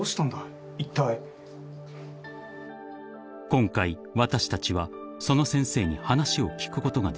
［今回私たちはその先生に話を聞くことができた］